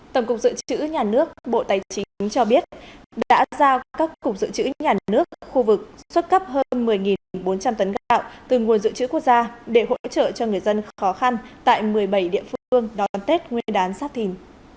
tổng cục dự trữ nhà nước bộ tài chính cho biết đã giao các cục dự trữ nhà nước khu vực xuất cấp hơn một mươi bốn trăm linh tấn gạo từ nguồn dự trữ quốc gia để hỗ trợ cho người dân khó khăn tại một mươi bảy địa phương đón tết nguyên đán sát thìn